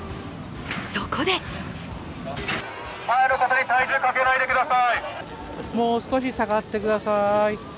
そこでもう少し下がってください。